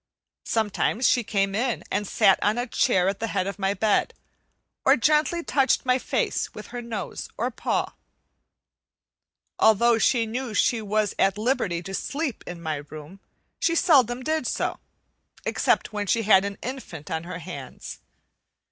Sometimes she came in and sat on a chair at the head of my bed, or gently touched my face with her nose or paw. Although she knew she was at liberty to sleep in my room, she seldom did so, except when she had an infant on her hands.